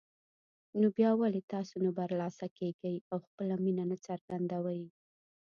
نو بيا ولې تاسو نه برلاسه کېږئ او خپله مينه نه څرګندوئ